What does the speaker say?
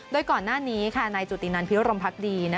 โดยก่อนหน้านี้นายจุตินันพิรมพักดี